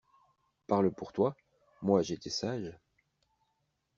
Parle pour toi. Moi, j’étais sage.